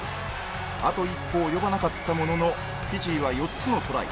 あと一歩及ばなかったもののフィジーは４つのトライ